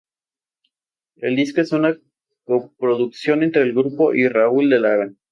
El disco es una coproducción entre el grupo y Raúl de Lara.